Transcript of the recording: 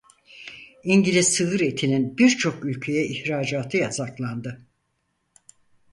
İngiliz sığır etinin birçok ülkeye ihracatı yasaklandı.